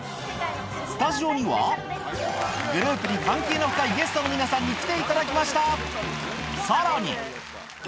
スタジオには、グループに関係の深いゲストの皆さんに来ていただきました。